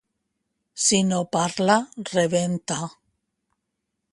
Si no parla, rebenta.